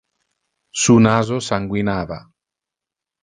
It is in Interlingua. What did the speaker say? Su naso sanguinava.